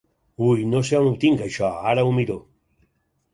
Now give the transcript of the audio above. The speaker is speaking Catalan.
Ui no sé on ho tinc, això, ara ho miro.